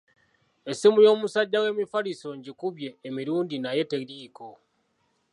Essimu y'omusajja w'emifaliso ngikubye emirundi naye teriiko.